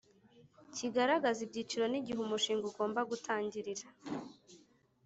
cyigaragaza ibyiciro n igihe umushinga ugomba gutangirira